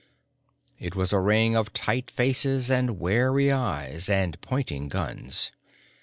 It was a ring of tight faces and wary eyes and pointing guns.